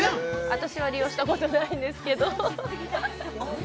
私は利用したことないんですけど。